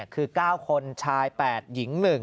คือ๙คนชาย๘หญิง๑